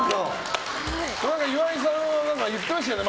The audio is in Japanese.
岩井さんが言ってましたよね